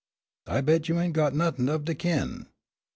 "I bet you ain' got nothin' of de kin'."